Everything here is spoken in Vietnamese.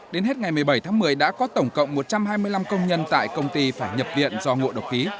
đến hết ngày một mươi bảy tháng một mươi đã có tổng cộng một trăm hai mươi năm công nhân tại công ty phải nhập viện do ngộ độc khí